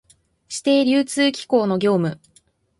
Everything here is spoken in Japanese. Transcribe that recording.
指定流通機構の業務